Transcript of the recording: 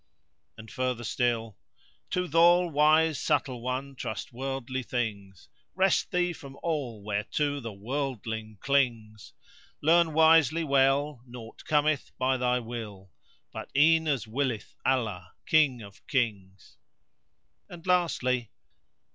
And further still.— To th' All wise Subtle One trust worldly things * Rest thee from all whereto the worldling clings: Learn wisely well naught cometh by thy will * But e'en as willeth Allah, King of Kings. And lastly.